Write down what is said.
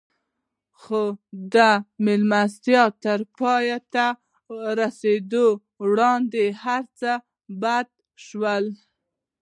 خو د مېلمستيا تر پای ته رسېدو وړاندې هر څه بدل شول.